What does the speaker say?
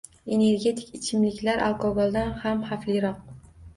Energetik ichimliklar alkogoldan ham xavfliroq!